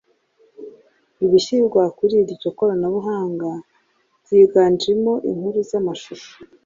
ibishyirwa kuri iryo koranabuhanga byiganjemo inkuru z’amashusho